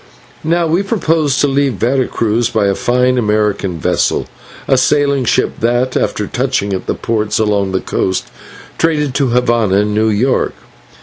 Now we purposed to leave Vera Cruz by a fine American vessel, a sailing ship, that, after touching at the ports along the coast, traded to Havana and New York.